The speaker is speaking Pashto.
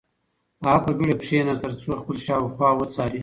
هغه په بېړه کښېناست ترڅو خپل شاوخوا وڅاري.